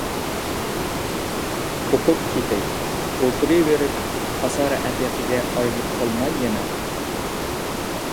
قوپۇپ كېتەي، ئولتۇرۇۋېرىپ ئاسارئەتىقىگە ئايلىنىپ قالماي يەنە.